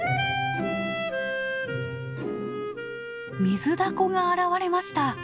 ミズダコが現れました。